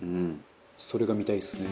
「それが見たいですね」